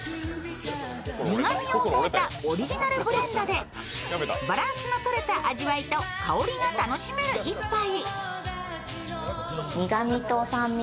苦みを抑えたオリジナルブレンドでバランスのとれた味わいと香りが楽しめる１杯。